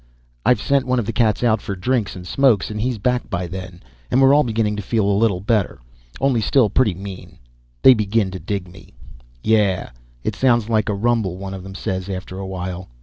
I've sent one of the cats out for drinks and smokes and he's back by then, and we're all beginning to feel a little better, only still pretty mean. They begin to dig me. "Yeah, it sounds like a rumble," one of them says, after a while.